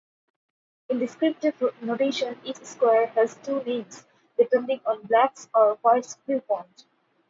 In descriptive notation each square has two names, depending on Black's or White's viewpoint.